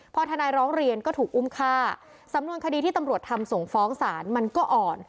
พอทนายร้องเรียนก็ถูกอุ้มฆ่าสำนวนคดีที่ตำรวจทำส่งฟ้องศาลมันก็อ่อน